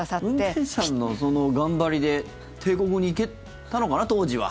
運転士さんのその頑張りで定刻に行けたのかな、当時は。